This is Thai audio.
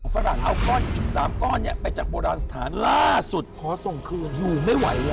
ฝรั่งเอาก้อนหิน๓ก้อนไปจากโบราณสถานล่าสุดขอส่งคืนอยู่ไม่ไหวแล้ว